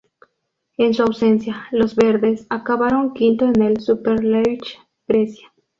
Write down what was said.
En su ausencia, los "Verdes" acabaron quinto en el Superleague Grecia.